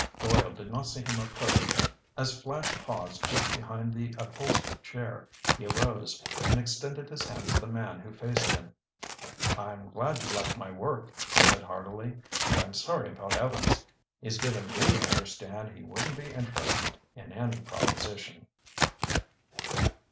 Doyle did not see him approach. As Flash paused just behind the upholstered chair, he arose and extended his hand to the man who faced him. "I'm glad you liked my work," he said heartily. "And I'm sorry about Evans. He's given me to understand he wouldn't be interested in any proposition."